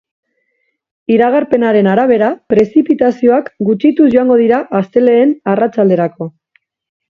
Iragarpenaren arabera, prezipitazioak gutxituz joango dira astelehen arratsalderako.